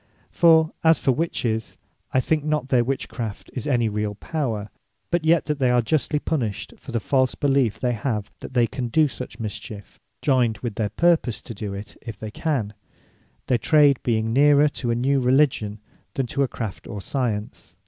For as for Witches, I think not that their witch craft is any reall power; but yet that they are justly punished, for the false beliefe they have, that they can do such mischiefe, joyned with their purpose to do it if they can; their trade being neerer to a new Religion, than to a Craft or Science.